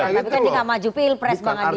tapi kan dia gak maju pil pres banget dia